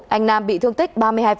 anh nam bị thương tích ba mươi hai